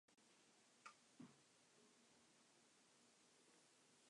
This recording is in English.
He called those concepts "historical winds", like gusts on the surface of a pond.